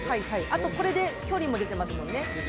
あと、これで距離出てますね。